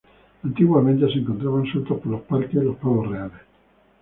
Antiguamente, se encontraban sueltos por el parque los pavos reales.